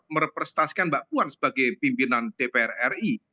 merepresentasikan mbak puan sebagai pimpinan dpr ri